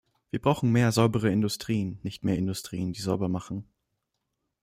Wir brauchen mehr saubere Industrien, nicht mehr Industrien, die sauber machen.